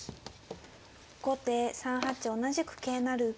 後手３八同じく桂成。